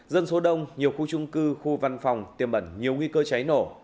dân số đông nhiều khu chung cư khu văn phòng tiêm bẩn nhiều nguy cơ cháy nổ